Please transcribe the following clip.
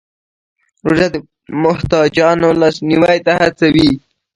روژه د محتاجانو لاسنیوی ته هڅوي.